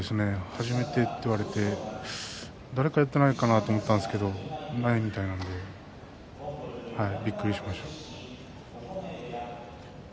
初めてと言われて誰かやっていないかなと思ったんですけれどないみたいでびっくりしました。